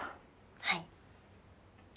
はい。